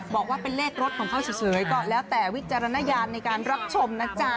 บอกว่าเป็นเลขรถของเขาเฉยก็แล้วแต่วิจารณญาณในการรับชมนะจ๊ะ